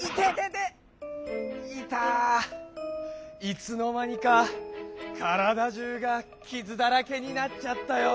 いつのまにかからだじゅうがきずだらけになっちゃったよ。